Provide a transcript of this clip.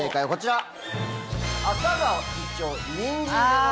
こちら。